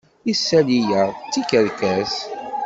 Isali-ya d tikerkas.